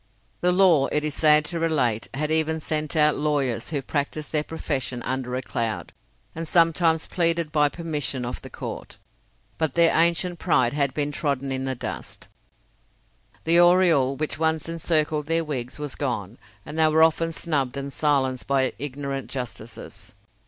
The law, it is sad to relate, had even sent out lawyers, who practised their profession under a cloud, and sometimes pleaded by permission of the court. But their ancient pride had been trodden in the dust; the aureole which once encircled their wigs was gone, and they were often snubbed and silenced by ignorant justices.